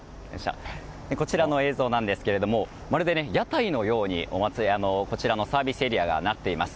こちらの映像なんですがまるで屋台のようにサービスエリアがなっています。